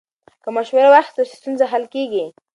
که مشوره واخیستل شي، ستونزه حل کېږي.